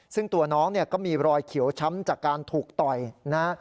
ซึ่งตัวน้องเนี่ยก็มีรอยเขียวช้ำจากการถูกต่อยนะฮะ